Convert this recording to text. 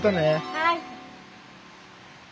はい。